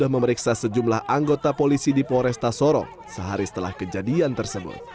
memperiksa sejumlah anggota polisi di mapo restasoro sehari setelah kejadian tersebut